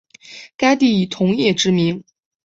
该地以铜业知名。